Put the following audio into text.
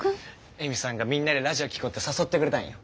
恵美さんがみんなでラジオ聴こうって誘ってくれたんよ。